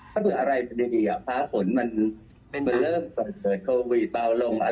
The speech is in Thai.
ถ้าเผื่ออะไรเป็นดีฟ้าฝนมันเริ่มเกิดโควิดเบาลง